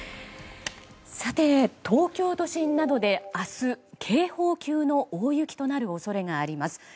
東京都心などで明日、警報級の大雪となる恐れがあります。